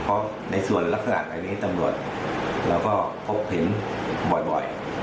เพราะในส่วนลักษณะในนี้ตำรวจเราก็พบเห็นบ่อย